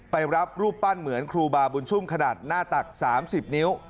ไปรับรูปปั้นเหมือนครูบาบุญชุ่มขนาดหน้าตัก๓๐นิ้ว